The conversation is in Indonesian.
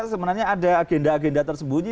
sebenarnya ada agenda agenda tersembunyi